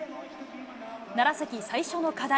楢崎、最初の課題。